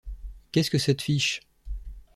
Qu’est-ce que ça te fiche?